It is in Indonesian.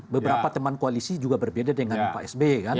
beberapa teman koalisi juga berbeda dengan pak sbi